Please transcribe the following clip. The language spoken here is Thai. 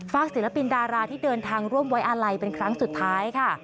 ศิลปินดาราที่เดินทางร่วมไว้อาลัยเป็นครั้งสุดท้ายค่ะ